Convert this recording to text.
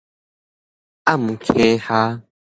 暗坑下